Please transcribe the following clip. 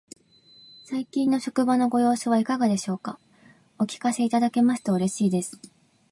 最近の職場のご様子はいかがでしょうか。お聞かせいただけますと嬉しいです。